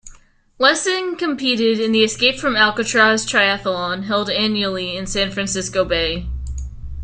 Lessing competed in the Escape from Alcatraz Triathlon held annually in San Francisco Bay.